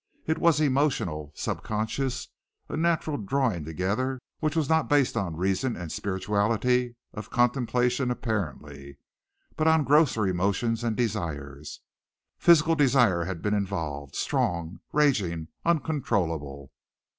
It was emotional, subconscious, a natural drawing together which was not based on reason and spirituality of contemplation apparently, but on grosser emotions and desires. Physical desire had been involved strong, raging, uncontrollable.